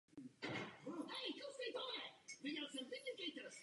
Ta je ráda!